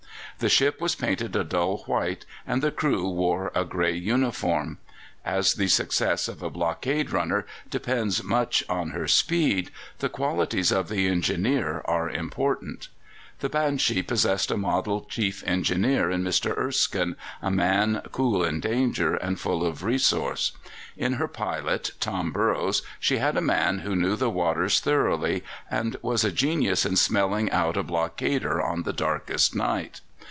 The ship was painted a dull white, and the crew wore a grey uniform. As the success of a blockade runner depends much on her speed, the qualities of the engineer are important. The Banshee possessed a model chief engineer in Mr. Erskine, a man cool in danger and full of resource. In her pilot, Tom Burroughs, she had a man who knew the waters thoroughly, and was a genius in smelling out a blockader on the darkest night.